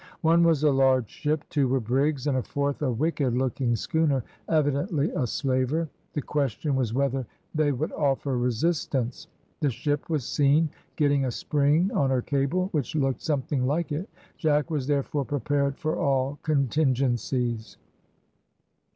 One was a large ship, two were brigs, and a fourth a wicked looking schooner, evidently a slaver. The question was whether they would offer resistance. The ship was seen getting a spring on her cable, which looked something like it; Jack was therefore prepared for all contingencies.